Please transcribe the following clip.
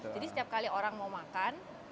jadi setiap kali orang mau makan